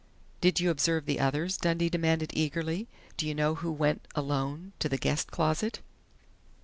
"Did you observe the others?" Dundee demanded eagerly. "Do you know who went alone to the guest closet?"